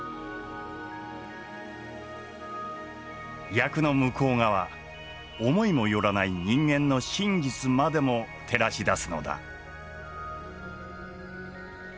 役の向こう側思いも寄らない人間の真実までも照らし出すのだ。